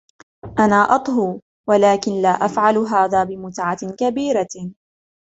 أنا أطهو, ولكن لا أفعل هذا بمتعة كبيرة.